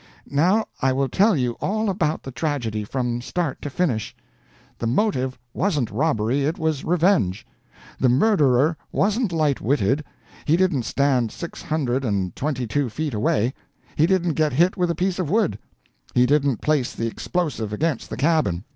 Now I will tell you all about the tragedy, from start to finish. The motive wasn't robbery; it was revenge. The murderer wasn't light witted. He didn't stand six hundred and twenty two feet away. He didn't get hit with a piece of wood. He didn't place the explosive against the cabin.